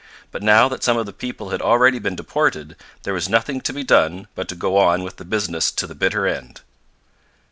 But now that some of the people had already been deported, there was nothing to be done but to go on with the business to the bitter end.